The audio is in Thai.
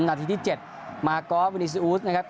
นาทีที่เจ็ดมากอล์ฟวินิซีอูสนะครับ